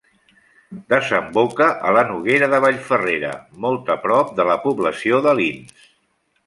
Desemboca a la Noguera de Vallferrera molt a prop de la població d'Alins.